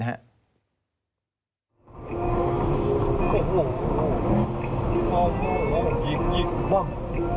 เป็นห่วง